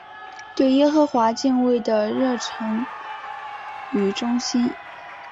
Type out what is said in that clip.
对耶和华敬畏的热诚与忠心。